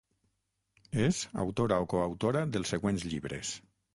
És autora o coautora dels següents llibres.